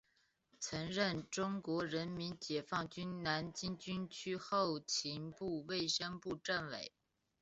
曾任中国人民解放军南京军区后勤部卫生部政委。